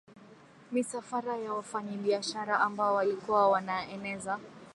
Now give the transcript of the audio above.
misafara ya wafanyabiashara ambao walikuwa wanaeneza